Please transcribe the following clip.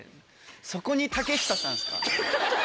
そこに竹下さんですか。